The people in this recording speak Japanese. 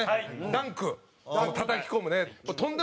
ダンクたたき込むね。